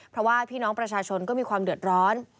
เพราะว่าพี่น้องประชาชนก็มีความเดือดร้อน